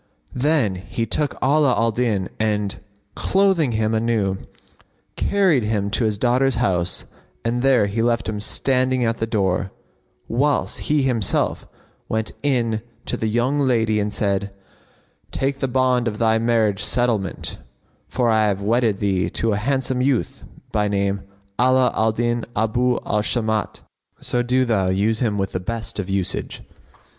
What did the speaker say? Then he took Ala al Din and, clothing him anew, carried him to his daughter's house and there he left him standing at the door, whilst he himself went in to the young lady and said, "Take the bond of thy marriage settlement, for I have wedded thee to a handsome youth by name Ala al Din Abu al Shamat: so do thou use him with the best of usage."